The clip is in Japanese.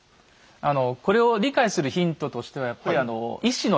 あのこれを理解するヒントとしてはやっぱり乙巳の変。